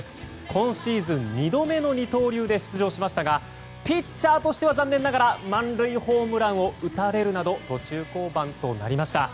今シーズン２度目の二刀流で出場しましたがピッチャーとしては残念ながら満塁ホームランを打たれるなど途中降板となりました。